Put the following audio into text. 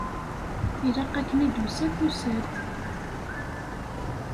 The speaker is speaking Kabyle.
Ilaq akken i d-tusa, tusa-d.